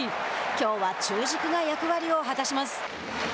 きょうは中軸が役割を果たします。